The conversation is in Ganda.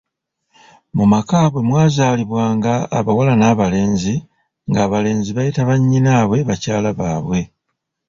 "Mu maka bwe mwazaalibwanga abawala n’abalenzi, nga abalenzi bayita bannyinaabwe bakyala baabwe."